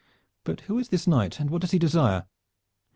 But who is this knight and what does he desire?"